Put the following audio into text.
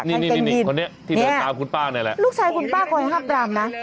นี่นี่นี่นี่คนเนี้ยที่เดินตามคุณป้านี่แหละลูกชายคุณป้าก็ไม่หับร่ำน่ะ